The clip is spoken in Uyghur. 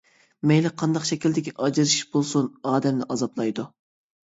مەيلى قانداق شەكىلدىكى ئاجرىشىش بولسۇن، ئادەمنى ئازابلايدۇ.